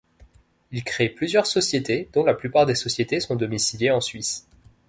Il crée plusieurs sociétés, dont la plupart des sociétés sont domiciliées en Suisse.